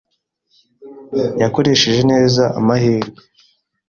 Yakoresheje neza amahirwe.